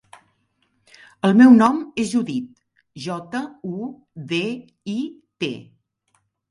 El meu nom és Judit: jota, u, de, i, te.